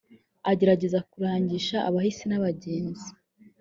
agerageza kurangisha abahise n’abagenzi